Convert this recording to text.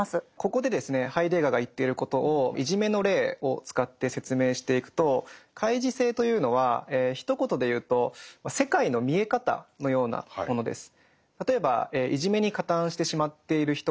ここでですねハイデガーが言っていることをいじめの例を使って説明していくと開示性というのはひと言でいうと世界の見え方のようなものです。